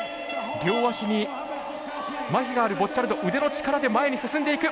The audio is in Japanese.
両足にまひがあるボッチャルド腕の力で前に進んでいく。